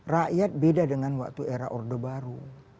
rakyat beda dengan waktu era orde baru